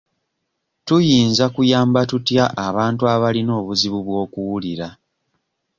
Tuyinza kuyamba tutya abantu abalina obuzibu bw'okuwulira?